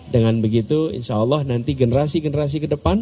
dengan begitu insyaallah nanti generasi generasi kedepannya